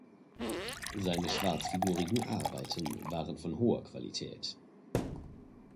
Seine schwarzfigurigen Arbeiten waren von hoher Qualität.